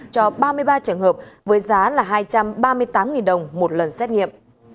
cho ba mươi ba trường hợp với giá là hai trăm ba mươi tám đồng một lần xét nghiệm